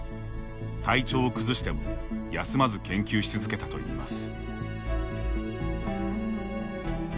体調を崩しても休まず研究し続けたといいます。